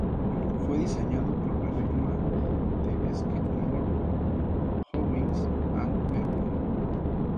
Fue diseñado por la firma de Skidmore, Owings and Merrill.